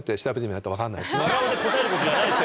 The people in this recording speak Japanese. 真顔で答えることじゃないです